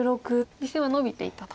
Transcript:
実戦はノビていったと。